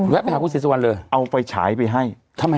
ไปหาคุณศรีสุวรรณเลยเอาไฟฉายไปให้ทำไม